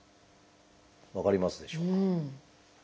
分かりますでしょうか？